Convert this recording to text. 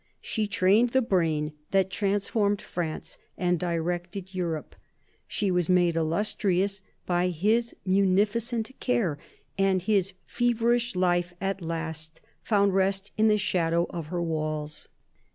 She trained the brain that transformed France and directed Europe ; she was made illustrious by his munificent care, and his' feverish life at last found rest in the shadow of her walls.